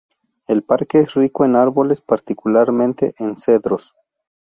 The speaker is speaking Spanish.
El parque es rico en árboles particularmente en cedros.